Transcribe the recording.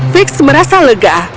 fik merasa lega